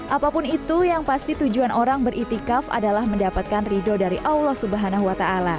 apapun itu yang pasti tujuan orang beriktikaf adalah mendapatkan ridho dari allah swt